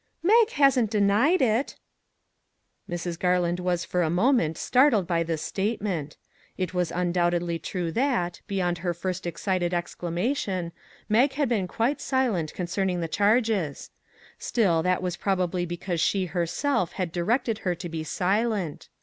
" Mag hasn't denied it." Mrs. Garland was for a moment startled by this statement. It was undoubtedly true that, beyond her first excited exclamation, Mag had been quite silent concerning the charges; still, that was probably because she herself had di rected her to be silent.